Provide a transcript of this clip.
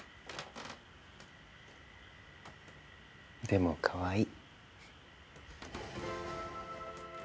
でもかわいい。